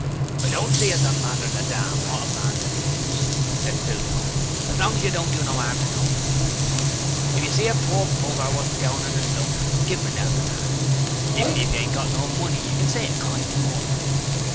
'I don't see as it matters a dam wot a man believes,' said Philpot, 'as long as you don't do no 'arm to nobody. If you see a poor b r wot's down on 'is luck, give 'im a 'elpin' 'and. Even if you ain't got no money you can say a kind word.